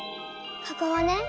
ここはね